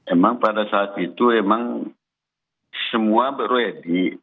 emang pada saat itu emang semua ready